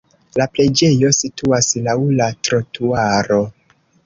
La preĝejo situas laŭ la trotuaro.